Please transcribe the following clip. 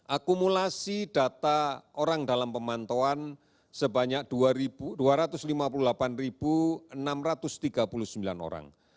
akumulasi data orang dalam pemantauan sebanyak dua ratus lima puluh delapan enam ratus tiga puluh sembilan orang